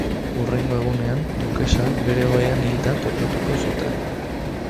Hurrengo egunean, dukesa bere ohean hilda topatuko zuten.